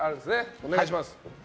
お願いします。